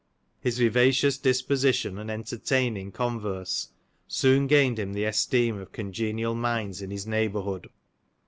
His vivacious disposition, and entertaining converse, soon gained him the esteem of congenial minds in his neighbourhood.